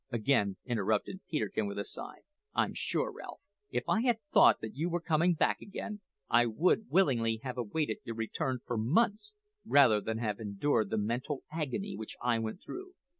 again interrupted Peterkin with a sigh. "I'm sure, Ralph, if I had thought that you were coming back again I would willingly have awaited your return for months rather than have endured the mental agony which I went through.